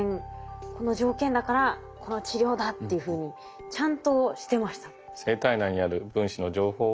この条件だからこの治療だっていうふうにちゃんとしてました。